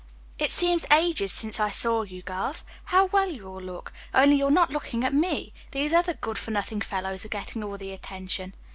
"It seems ages since I saw you girls. How well you all look, only you're not looking at me. These other good for nothing fellows are getting all the attention.